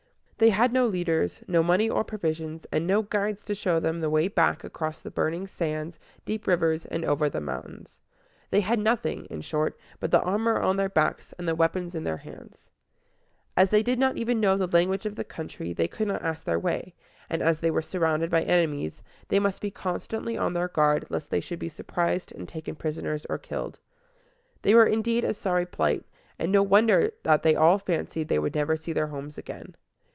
They had no leaders, no money or provisions, and no guides to show them the way back across the burning sands, deep rivers, and over the mountains. They had nothing, in short, but the armor on their backs and the weapons in their hands. As they did not even know the language of the country, they could not ask their way; and as they were surrounded by enemies, they must be constantly on their guard lest they should be surprised and taken prisoners or killed. They were indeed in a sorry plight; and no wonder that they all fancied they would never see their homes again.